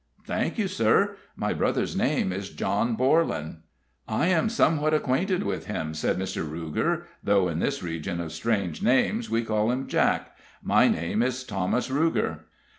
"Thank you, sir. My brother's name is John Borlan." "I am somewhat acquainted with him," said Mr. Kuger, "though in this region of strange names we call him Jack. My name is Thomas Ruger."